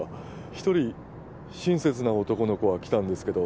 一人親切な男の子は来たんですけど